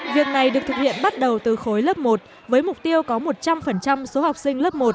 việc này được thực hiện bắt đầu từ khối lớp một với mục tiêu có một trăm linh số học sinh lớp một